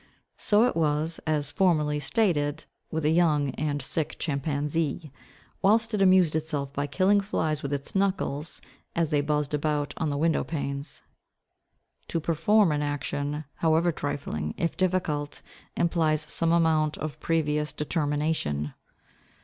So it was, as formerly stated, with a young and sick chimpanzee, whilst it amused itself by killing flies with its knuckles, as they buzzed about on the window panes. To perform an action, however trifling, if difficult, implies some amount of previous determination.